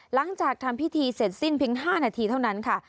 หลังจากทำพิธีเสร็จสิ้นเพียง๕นาทีเท่านั้นค่ะ